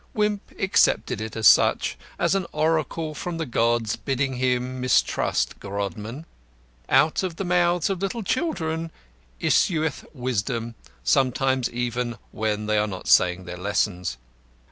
Wimp accepted it as such; as an oracle from the gods bidding him mistrust Grodman. Out of the mouths of little children issueth wisdom; sometimes even when they are not saying their lessons.